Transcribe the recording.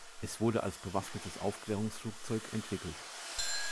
Es wurde als bewaffnetes Aufklärungsflugzeug entwickelt.